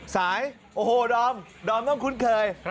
สายโอ้โหดอมดอมต้องคุ้นเคย